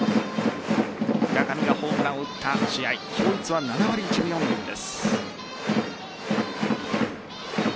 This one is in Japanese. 村上がホームランを打った試合勝率は７割１分４厘です。